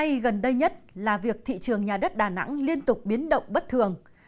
ngày gần đây nhất là việc thị trường nhà đất đà nẵng liên tục biến động bất thường